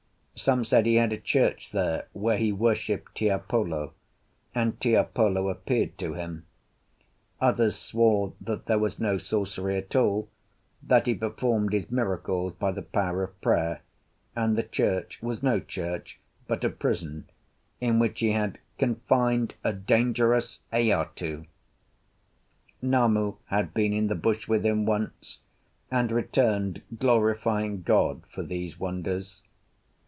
Some said he had a church there, where he worshipped Tiapolo, and Tiapolo appeared to him; others swore that there was no sorcery at all, that he performed his miracles by the power of prayer, and the church was no church, but a prison, in which he had confined a dangerous aitu. Namu had been in the bush with him once, and returned glorifying God for these wonders.